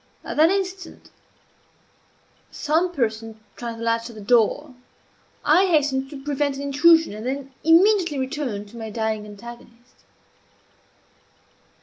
At that instant some person tried the latch of the door. I hastened to prevent an intrusion, and then immediately returned to my dying antagonist.